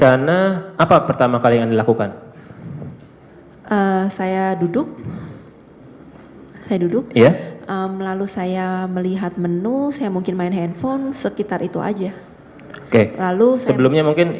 anda pertama kali datang